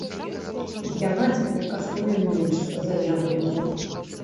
Яна цяпер каштуе менш за яблыкі!